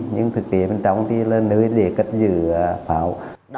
nhưng thực tế bên trong thì là nơi để cất giữ pháo